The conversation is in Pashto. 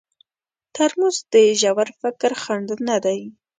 ترموز د ژور فکر خنډ نه دی.